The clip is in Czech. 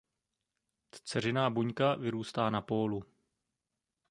Dceřiná buňka vyrůstá na pólu.